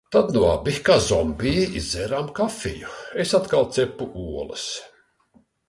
Tad nu abi kā zombiji izdzērām kafiju. Es atkal cepu olas.